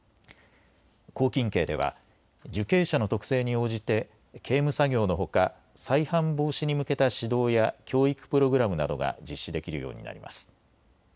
拘禁刑では受刑者の特性に応じて刑務作業のほか、再犯防止に向けた指導や教育プログラムなどが実施できるようになります。